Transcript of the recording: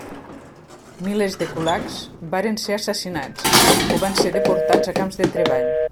Milers de kulaks varen ser assassinats o van ser deportats a camps de treball.